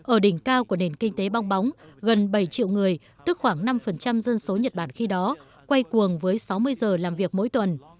ở đỉnh cao của nền kinh tế bong bóng gần bảy triệu người tức khoảng năm dân số nhật bản khi đó quay cuồng với sáu mươi giờ làm việc mỗi tuần